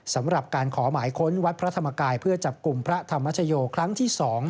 สำหรับการขอหมายค้นวัดพระธรรมกายเพื่อจับกลุ่มพระธรรมชโยครั้งที่๒